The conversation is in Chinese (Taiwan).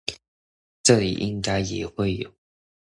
這裡應該也會有